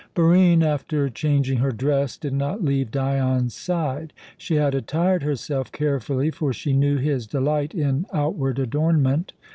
Barine, after changing her dress, did not leave Dion's side. She had attired herself carefully, for she knew his delight in outward adornment.